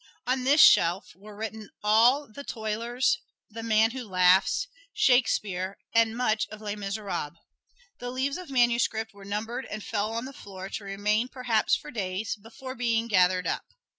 On this shelf were written all "The Toilers," "The Man Who Laughs," "Shakespeare" and much of "Les Miserables." The leaves of manuscript were numbered and fell on the floor, to remain perhaps for days before being gathered up.